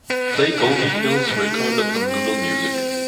Play Goldie Hill's record on Google Music.